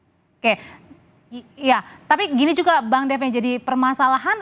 oke ya tapi gini juga bang dev yang jadi permasalahan